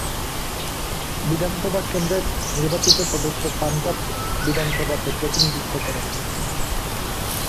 বিধানসভা কেন্দ্রের নির্বাচিত সদস্য পাঞ্জাব বিধানসভাতে প্রতিনিধিত্ব করে।